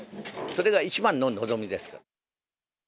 それが一番の望みです。